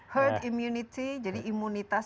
herd immunity jadi imunitas